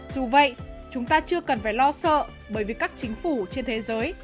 dù vậy chúng ta chưa cần phải lo sợ bởi vì các chính phủ trên thế giới